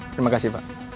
terima kasih pak